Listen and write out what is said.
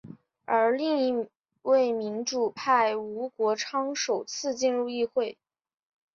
而另一位民主派吴国昌首次进入议会。